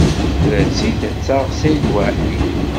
Tefra-tt-id ad taɣ Saɛid Waɛli.